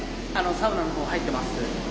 サウナの方入ってます。